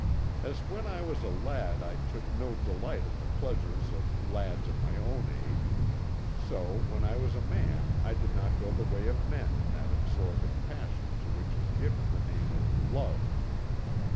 "As when I was a lad I took no delight in the pleasures of lads of my own age, so when I was a man I did not go the way of men in that absorbing passion to which is given the name of Love.